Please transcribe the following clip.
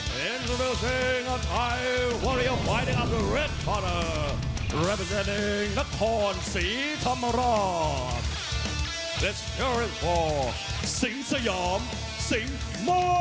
เพราะด้วยธรรมชั้นเป็นธรรมชั้นเป็นธรรม